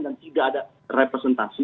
dan tidak ada representatif di situ